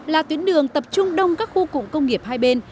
là tuyến đường tập trung đông các khu cụm công nghiệp hai bên